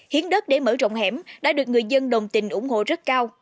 hiến đất để mở rộng hẻm đã được người dân đồng tình ủng hộ rất cao